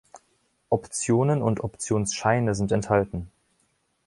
Optionen und Optionsscheine sind enthalten.